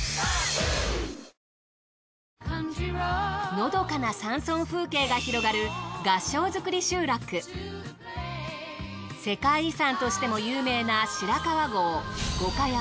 のどかな山村風景が広がる世界遺産としても有名な白川郷五箇山。